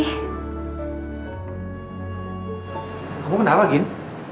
kamu kenapa gin